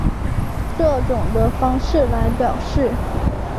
这种的方式来表示。